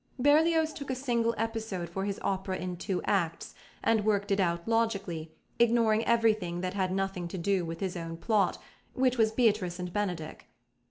Berlioz took a single episode for his opera in two acts, and worked it out logically, ignoring everything that had nothing to do with his own plot, which was "Beatrice and Benedick."